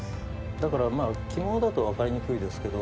だからまあ着物だとわかりにくいですけど。